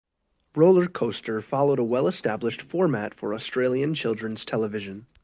"Rollercoaster" followed a well-established format for Australian children's television.